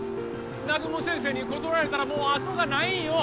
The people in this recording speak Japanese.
南雲先生に断られたらもうあとがないんよ